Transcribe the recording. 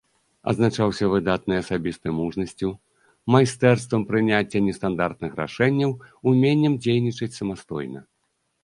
Адзначаўся выдатнай асабістай мужнасцю, майстэрствам прыняцця нестандартных рашэнняў, уменнем дзейнічаць самастойна.